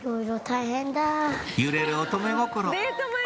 揺れる乙女心